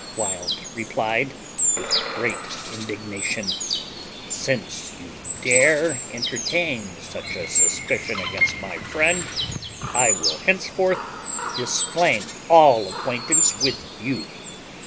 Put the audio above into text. Wild replied, with great indignation, "Since you dare entertain such a suspicion against my friend, I will henceforth disclaim all acquaintance with you.